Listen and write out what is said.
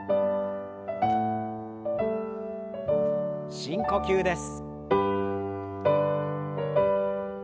深呼吸です。